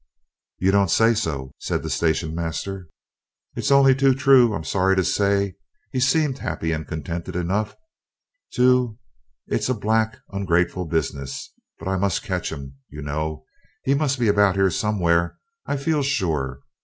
"You don't say so!" said the station master. "It's only too true, I'm sorry to say; he seemed happy and contented enough, too; it's a black ungrateful business. But I must catch him, you know; he must be about here somewhere, I feel sure.